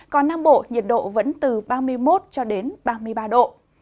còn nam bộ nhiệt độ vẫn từ ba mươi một ba mươi ba độ